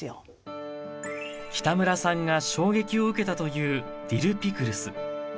北村さんが衝撃を受けたという「ディルピクルス」。